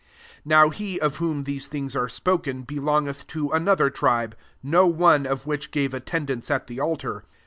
13 Now he of whom these things are spoken belongeth to another tribe, no one of which gave attendance at the altar.